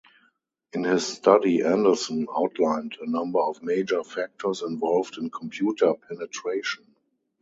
In his study, Anderson outlined a number of major factors involved in computer penetration.